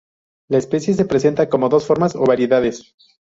La especie se presenta como dos formas o variedades.